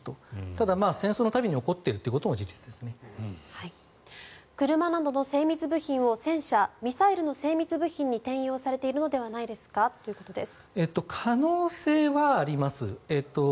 ただ戦争の度に起こっているのも車などの精密部品を戦車、ミサイルなどの精密部品に転用されているのではないですか？ということです。